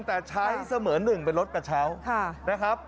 แต่ใช้เสมอหนึ่งเป็นรถกระเช้า